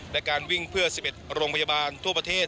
และการวิ่งเพื่อ๑๑โรงพยาบาลทั่วประเทศ